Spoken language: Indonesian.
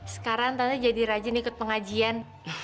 sekarang tantenya jadi rajin ikut pengajian